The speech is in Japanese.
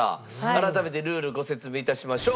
改めてルールご説明致しましょう。